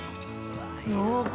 ◆濃厚。